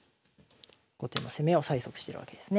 後手の攻めを催促してるわけですね。